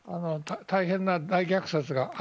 大変な大虐殺が。